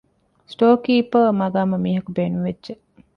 ސްޓޯރ ކީޕަރ މަޤާމަށް މީހަކު ބޭނުންވެއްްޖެ